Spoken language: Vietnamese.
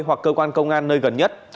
hoặc cơ quan công an nơi gần nhất